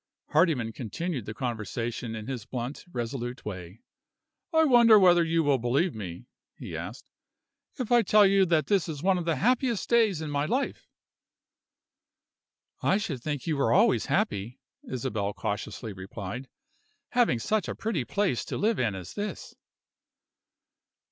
Hardyman continued the conversation in his blunt, resolute way. "I wonder whether you will believe me," he asked, "if I tell you that this is one of the happiest days of my life." "I should think you were always happy," Isabel cautiously replied, "having such a pretty place to live in as this."